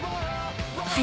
はい。